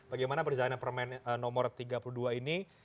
bagaimana perjalanan permen nomor tiga puluh dua ini